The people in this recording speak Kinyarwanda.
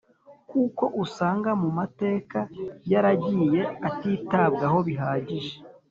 kuko usanga mu mateka yaragiye atitabwaho bihagije.